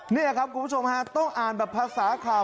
นี่ครับคุณผู้ชมฮะต้องอ่านแบบภาษาข่าว